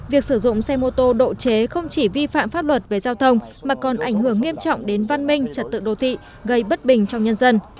việc sử dụng xe mô tô độ chế không chỉ vi phạm pháp luật về giao thông mà còn ảnh hưởng nghiêm trọng đến văn minh trật tự đô thị gây bất bình trong nhân dân